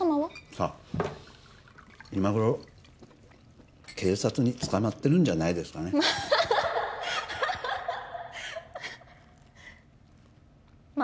さあ今頃警察に捕まってるんじゃないですかねまあ！